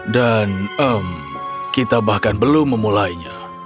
dan em kita bahkan belum memulainya